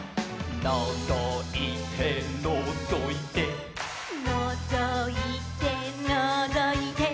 「のぞいてのぞいて」「のぞいてのぞいて」